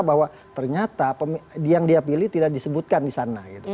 bahwa ternyata yang dia pilih tidak disebutkan disana